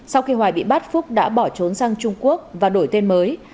sau khi hoài bị bắt phúc đã bỏ trốn sang trung quốc và đổi tên mới